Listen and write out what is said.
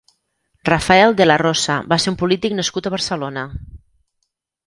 Rafael de la Rosa va ser un polític nascut a Barcelona.